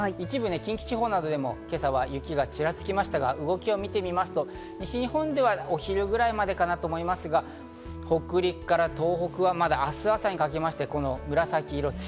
一部、近畿地方などでも今朝は雪がちらつきましたが、動きを見てみますと、西日本ではお昼ぐらいまでかなと思いますが、北陸から東北はまだ明日朝にかけまして紫色。